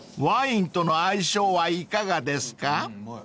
［ワインとの相性はいかがですか？］